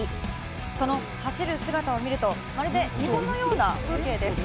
その走る姿を見ると、まるで日本のような風景です。